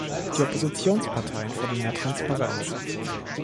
Die Oppositionsparteien fordern mehr Transparenz.